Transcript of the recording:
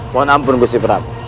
mohon ampun gusti prabu